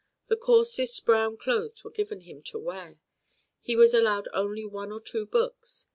The coarsest brown clothes were given him to wear. He was allowed only one or two books.